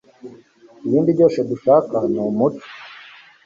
Ibindi byose dushaka Numucyo